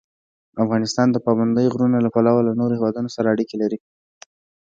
افغانستان د پابندی غرونه له پلوه له نورو هېوادونو سره اړیکې لري.